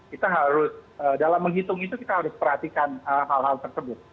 kita harus dalam menghitung itu kita harus perhatikan hal hal tersebut